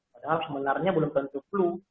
padahal sebenarnya belum tentu flu